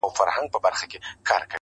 ویل زما پر وینا غوږ نیسۍ مرغانو -